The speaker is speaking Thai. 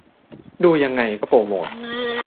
ดูยังไงก็กะโปรโมท